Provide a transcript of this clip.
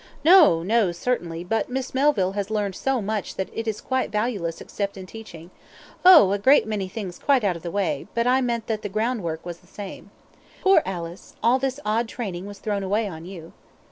"No, no, certainly; but Miss Melville has learned so much that is quite valueless except in teaching oh! a great many things quite out of the way; but I meant that the groundwork was the same. Poor Alice! all this odd training was thrown away on you."